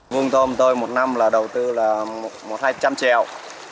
vuông tôm tôi một năm đầu tư là hai trăm linh trèo